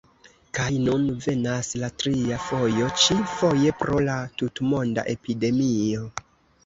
Kaj nun venas la tria fojo, ĉi-foje pro la tutmonda epidemio.